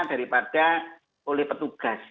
daripada oleh petugas